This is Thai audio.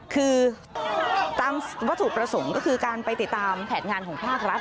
คือตามวัตถุประสงค์ก็คือการไปติดตามแผนงานของภาครัฐ